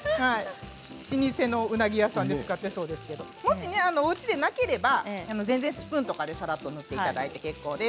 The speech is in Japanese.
老舗のうなぎ屋さんで使っていそうですけれどもおうちになければスプーンでさらっと塗っていただければ結構です。